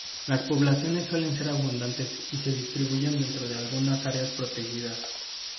Las poblaciones suelen ser abundantes y se distribuye dentro de algunas áreas protegidas.